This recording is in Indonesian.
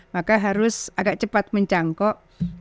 maka harus agak cepat mencangkok